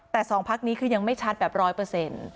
แต่สองพักนี้คือยังไม่ชัดแบบร้อยเปอร์เซ็นต์